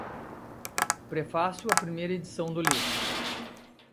Prefácio à Primeira Edição do Livro